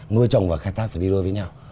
nuôi chồng và khai thác phải đi đôi với nhau